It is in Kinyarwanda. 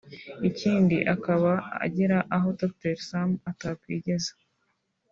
ikindi akaba agera aho Dr Sam atakwigeza